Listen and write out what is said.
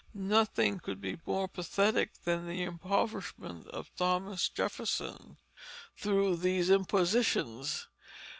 Nothing could be more pathetic than the impoverishment of Thomas Jefferson through these impositions.